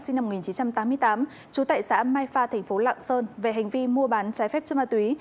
sinh năm một nghìn chín trăm tám mươi tám trú tại xã mai pha thành phố lạng sơn về hành vi mua bán trái phép chất ma túy